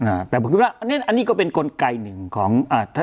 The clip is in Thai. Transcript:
อ่าแต่ผมคิดว่าอันนี้อันนี้ก็เป็นกลไกหนึ่งของอ่าถ้า